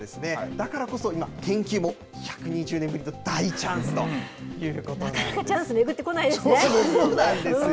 だからこそ今、研究も１２０年ぶりの大チャンスということなんでなかなかチャンス巡ってこなそうなんですよ。